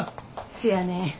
せやねん。